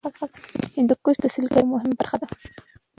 هندوکش د سیلګرۍ یوه مهمه برخه ده.